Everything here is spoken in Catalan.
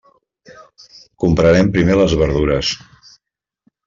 Comprarem primer les verdures.